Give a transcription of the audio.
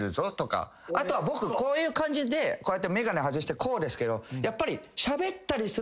あとは僕こういう感じでメガネ外してこうですけどやっぱり。